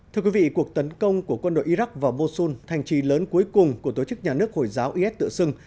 thưa quý vị cuộc tấn công của quân đội iraq vào mosul thành trì lớn cuối cùng của tổ chức nhà nước hồi giáo is tựa sưng